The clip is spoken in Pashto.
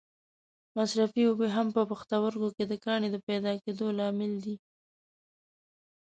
مصرفې اوبه هم په پښتورګو کې د کاڼې د پیدا کېدو لامل دي.